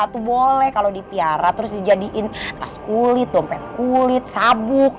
itu boleh kalo dipiara terus dijadiin tas kulit dompet kulit sabuk